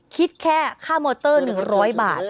คิดแค่ค่ามอเตอร์๑๐๐บาท